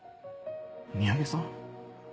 三宅さん？